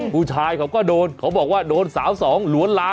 ภูชายเขาก็โดนเขาบอกว่าโดนสาว๒เหลวนลำอะคะ